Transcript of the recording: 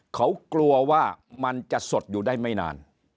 เขากลัวว่ามันจะสดอยู่ได้ไม่นาน